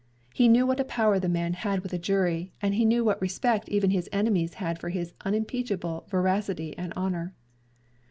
He knew what a power the man had with a jury, and he knew what respect even his enemies had for his unimpeachable veracity and honor.